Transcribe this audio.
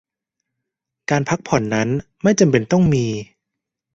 การพักผ่อนนั้นไม่จำเป็นต้องมี